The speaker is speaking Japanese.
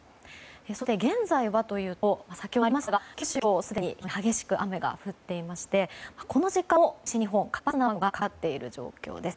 そして、現在はというと先ほどもありましたが九州、今日すでに非常に激しく雨が降っていましてこの時間も西日本、活発な雨雲がかかっている状況です。